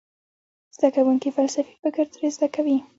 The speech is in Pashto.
زده کوونکي فلسفي فکر ترې زده کوي.